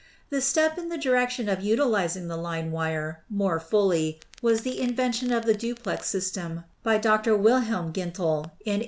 The step in the direction of utilizing the line wire more fully was the invention of the duplex system by Dr. Wil helm Gintl in 1853.